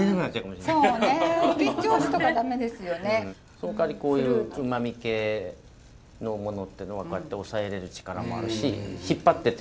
そのかわりこういううまみ系のものっていうのはこうやって抑えれる力もあるし引っ張ってってくれるんですよね。